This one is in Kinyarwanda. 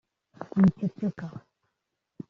Wiceceka